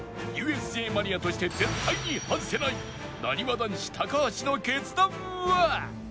ＵＳＪ マニアとして絶対に外せないなにわ男子高橋の決断は？